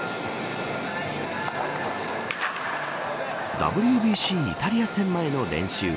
ＷＢＣイタリア戦前の練習。